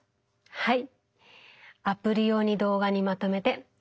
はい！